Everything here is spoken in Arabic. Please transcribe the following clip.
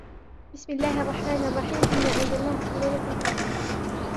بسم الله الرحمن الرحيم إنا أنزلناه في ليلة القدر